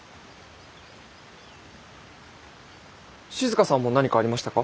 静さんも何かありましたか？